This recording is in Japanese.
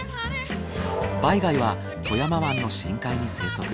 バイ貝は富山湾の深海に生息。